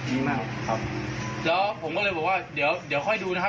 มากครับแล้วผมก็เลยบอกว่าเดี๋ยวเดี๋ยวค่อยดูนะครับ